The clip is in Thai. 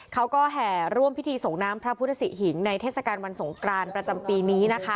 เขาก็แห่ร่วมพิธีส่งน้ำพระพุทธศิหิงในเทศกาลวันสงกรานประจำปีนี้นะคะ